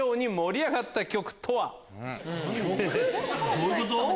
どういうこと？